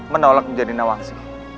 menolak menjadi nawangsi